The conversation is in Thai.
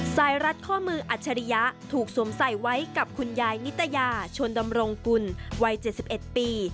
รัดข้อมืออัจฉริยะถูกสวมใส่ไว้กับคุณยายนิตยาชนดำรงกุลวัย๗๑ปี